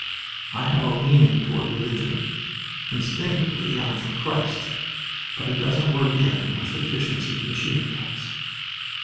I have a leaning toward religion. Instinctively I'm for Christ. But it doesn't work in with efficiency and machine guns."